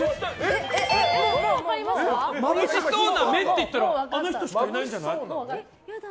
まぶしそうな目っていったらあの人しかいないんじゃない？